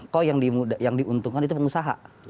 kok yang diuntungkan itu pengusaha